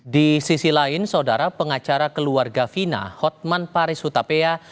di sisi lain saudara pengacara keluarga fina hotman paris hutapea